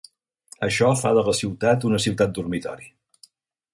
Això fa de la ciutat una ciutat dormitori.